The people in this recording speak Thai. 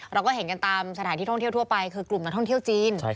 เราก็เห็นกันตามสถานที่ท่องเที่ยวทั่วไปคือกลุ่มนักท่องเที่ยวจีน